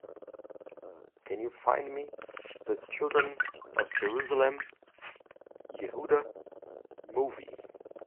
Can you find me the Children of Jerusalem: Yehuda movie?